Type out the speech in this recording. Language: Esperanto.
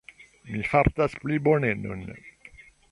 Mi fartas pli bone nun.